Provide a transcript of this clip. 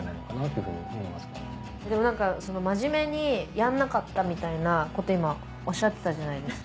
でもなんか真面目にやんなかったみたいなこと今おっしゃってたじゃないですか？